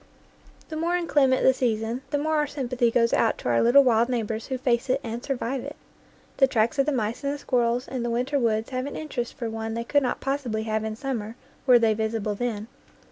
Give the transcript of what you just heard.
The more inclement the season, the more our sympathy goes out to our little wild neighbors who face it and survive it. The tracks of the mice and the squirrels in the winter woods have an interest for one they could not possibly have in summer were they visible then.